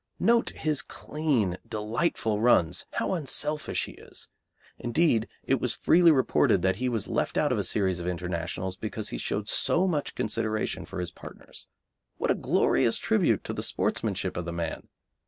Note his clean, delightful runs, how unselfish he is; indeed, it was freely reported that he was left out of a series of Internationals because he showed so much consideration for his partners. What a glorious tribute to the sportsmanship of the man!